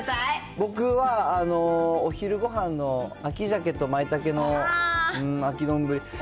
僕は、お昼ごはんの秋サケとまいたけの秋丼。